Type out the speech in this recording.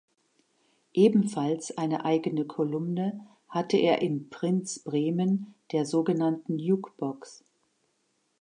Ebenfalls eine eigene Kolumne hatte er im "Prinz Bremen", der sogenannten "Juk-Box".